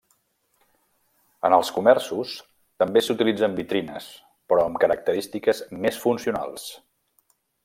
En els comerços, també s'utilitzen vitrines però amb característiques més funcionals.